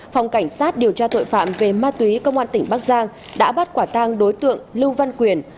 phòng cảnh sát điều tra tội phạm về ma túy công an tỉnh bắc giang đã bắt quả tang đối tượng lưu văn quyền